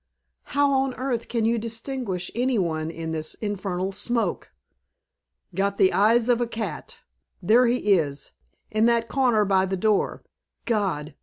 "How on earth can you distinguish any one in this infernal smoke?" "Got the eyes of a cat. There he is in that corner by the door. God!